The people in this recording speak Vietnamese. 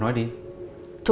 nó có thấy mình